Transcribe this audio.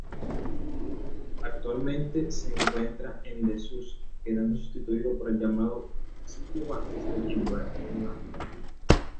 Actualmente se encuentra en desuso quedando sustituido por el llamado "versículo antes del Evangelio".